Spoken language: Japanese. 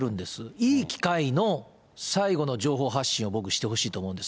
いい機会の最後の情報発信を僕してほしいと思うんです。